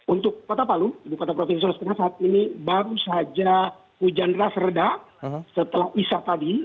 untuk kota palu di kota provinsi sula setengah saat ini baru saja hujan ras reda setelah wisat tadi